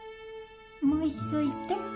もう一度言って。